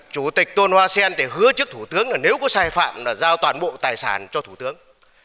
chủ tịch tôn hoa sen thì hứa chức thủ tướng là nếu có sai phạm là giao toàn bộ tài sản cho thủ tướng